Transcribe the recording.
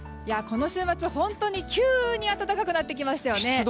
この週末、急に暖かくなってきましたね。